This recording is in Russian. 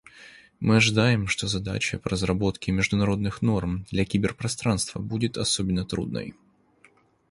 Мы ожидаем, что задача по разработке международных норм для киберпространства будет особенно трудной.